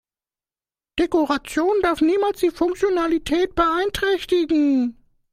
Dekoration darf niemals die Funktionalität beeinträchtigen.